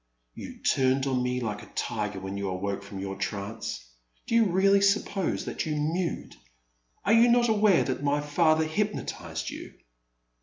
'* You turned on me like a tiger when you awoke from your trance. Do you really suppose that you mewed ? Are you not aware that my father hypnotized you